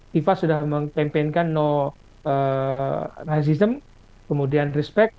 fifa sudah menampilkan no racism kemudian respect